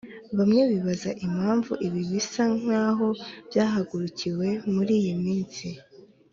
bamwe bibaza impamvu ibi bisa naho byahagurukiwe muri iyi minsi